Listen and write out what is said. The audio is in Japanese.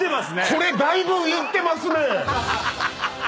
これだいぶ言ってますね。